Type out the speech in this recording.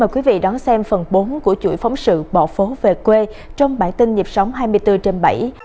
hãy xem phần bốn của chuỗi phóng sự bỏ phố về quê trong bài tin nhịp sóng hai mươi bốn trên bảy